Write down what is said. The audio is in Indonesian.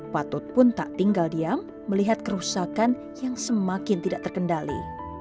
patut pun tak tinggal diam melihat kerusakan yang semakin tidak terkendali